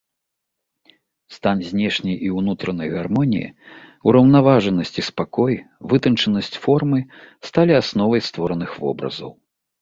Стан знешняй і ўнутранай гармоніі, ураўнаважанасць і спакой, вытанчанасць формы сталі асновай створаных вобразаў.